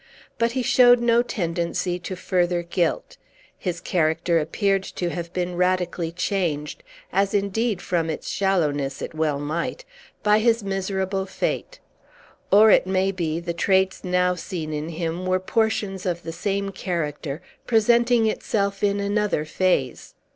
But he showed no tendency to further guilt. His character appeared to have been radically changed (as, indeed, from its shallowness, it well might) by his miserable fate; or, it may be, the traits now seen in him were portions of the same character, presenting itself in another phase.